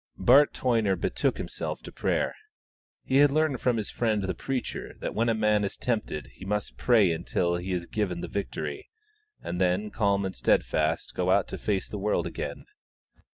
Bart Toyner betook himself to prayer. He had learned from his friend the preacher that when a man is tempted he must pray until he is given the victory, and then, calm and steadfast, go out to face the world again.